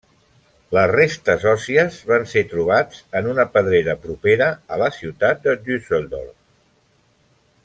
Les restes òssies van ser trobats en una pedrera propera a la ciutat de Düsseldorf.